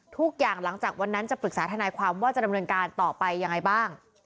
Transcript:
ทุกอย่างหลังจากวันนั้นจะปรึกษาทนายความว่าจะดำเนินการต่อไปยังไงบ้าง